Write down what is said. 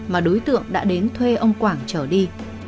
mà đối tượng đã đến thuê ông quảng trở đi